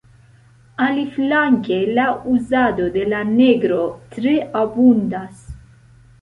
Aliflanke, la uzado de la negro tre abundas.